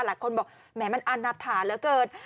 หลักคนบอกมันอันนาฐาเหลือเกิน